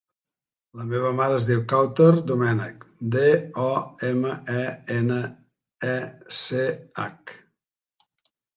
La meva mare es diu Kawtar Domenech: de, o, ema, e, ena, e, ce, hac.